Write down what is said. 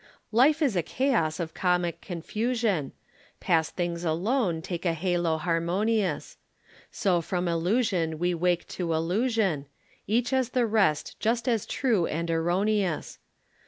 Life is a chaos of comic confusion, Past things alone take a halo harmonious; So from illusion we wake to illusion, Each as the rest just as true and erroneous.